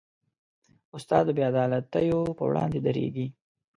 استاد د بېعدالتیو پر وړاندې دریږي.